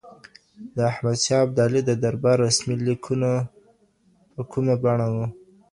د احمد شاه ابدالي د دربار رسمي لیکونه په کومه بڼه وو؟